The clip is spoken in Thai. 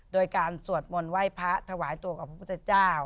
โดยการสวดมนต์ไหว้พระถวายตัวกับพระพุทธเจ้า